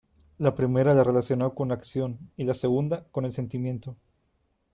La primera la relacionó con la acción y la segunda con el sentimiento.